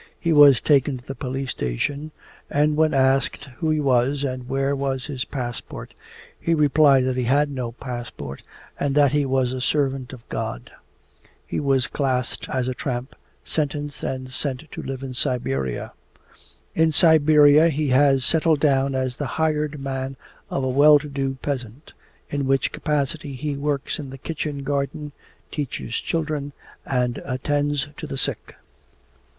He was taken to the police station, and when asked who he was and where was his passport, he replied that he had no passport and that he was a servant of God. He was classed as a tramp, sentenced, and sent to live in Siberia. In Siberia he has settled down as the hired man of a well to do peasant, in which capacity he works in the kitchen garden, teaches children, and attends to the sick.